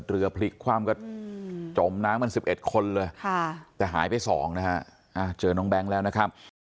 พลิกคว่ำก็จมน้ำกัน๑๑คนเลยแต่หายไป๒นะฮะเจอน้องแบงค์แล้วนะครับ